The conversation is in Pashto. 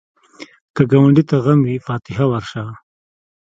که ګاونډي ته غم وي، فاتحه ورشه